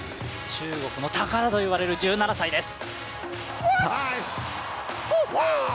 中国の宝といわれる１７歳です。